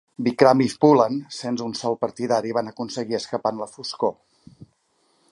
Vikram i Phoolan, sense un sol partidari, van aconseguir escapar en la foscor.